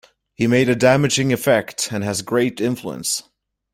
He made a damaging effect, and has great influence.